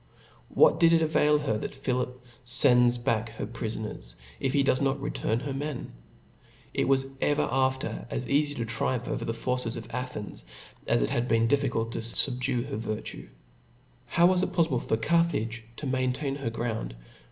What does k avail her, that Philip fends back her pri foncrs, if he docs not return her men ? It was ever after as cafy to triumph over the Athenian forces, as it had been difficult to fubdue her virtue. How was it pofTible for Carthage to maintain her ground